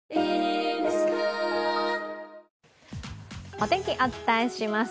お天気、お伝えします。